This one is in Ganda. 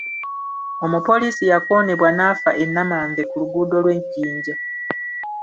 Omupoliisi yakoonebwa n’afa e Namanve ku luguudo lwe Jinja.